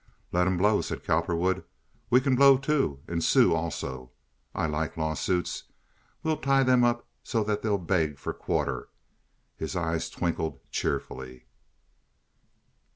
"Let them blow," said Cowperwood. "We can blow, too, and sue also. I like lawsuits. We'll tie them up so that they'll beg for quarter." His eyes twinkled cheerfully.